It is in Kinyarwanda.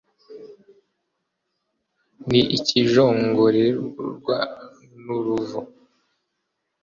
n ikijongororwa n uruvu